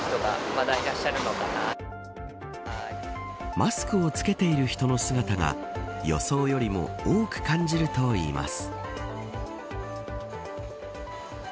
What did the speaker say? マスクを着けている人の姿が予想よりも多く感じるといいます。